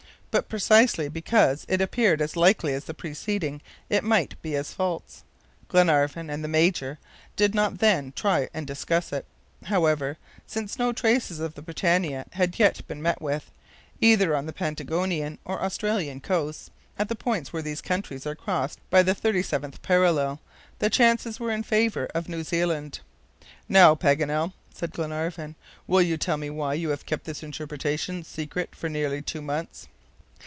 But precisely because it appeared as likely as the preceding, it might be as false. Glenarvan and the Major did not then try and discuss it. However, since no traces of the BRITANNIA had yet been met with, either on the Patagonian or Australian coasts, at the points where these countries are crossed by the 37th parallel, the chances were in favor of New Zealand. "Now, Paganel," said Glenarvan, "will you tell me why you have kept this interpretation secret for nearly two months?"